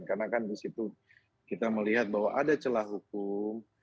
karena kan disitu kita melihat bahwa ada celah hukum